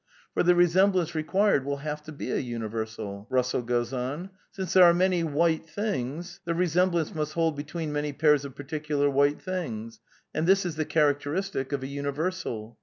For " the resemblance required will have to be a universal. Since there are many white things, the resemblance must hold be tween many pairs of particular white things; and this is the characteristic of a universal.